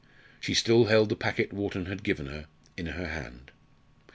She still held the packet Wharton had given her in her hand.